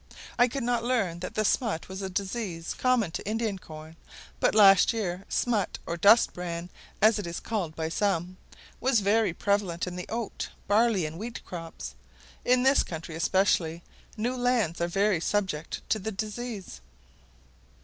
I could not learn that the smut was a disease common to Indian corn, but last year smut or dust bran, as it is called by some, was very prevalent in the oat, barley and wheat crops. In this country especially, new lands are very subject to the disease.